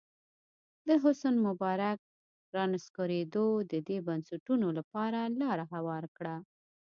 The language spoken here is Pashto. د حسن مبارک رانسکورېدو د دې بنسټونو لپاره لاره هواره کړه.